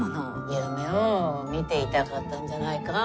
夢をみていたかったんじゃないか。